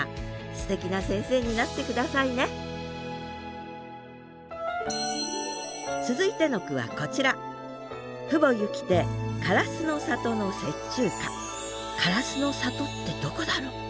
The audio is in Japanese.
すてきな先生になって下さいね続いての句はこちら「唐洲の里」ってどこだろう？